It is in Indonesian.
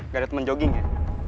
gak ada teman jogging ya